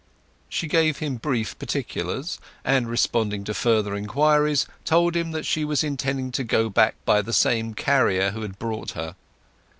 She gave him brief particulars; and responding to further inquiries told him that she was intending to go back by the same carrier who had brought her.